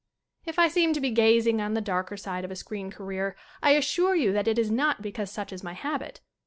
If I seem to be gazing on the darker side of a screen career I assure you that it is not be cause such is my habit.